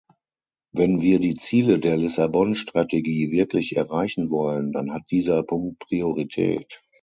Wenn wir die Ziele der Lissabon-Strategie wirklich erreichen wollen, dann hat dieser Punkt Priorität.